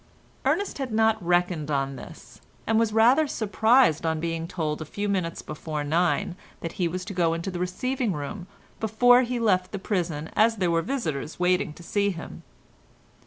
Ernest had not reckoned on this, and was rather surprised on being told a few minutes before nine that he was to go into the receiving room before he left the prison as there were visitors waiting to see him.